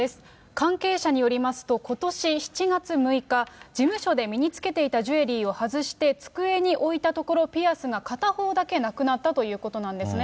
関係者によりますと、ことし７月６日、事務所で身につけていたジュエリーを外して、机に置いたところ、ピアスが片方だけなくなったということなんですね。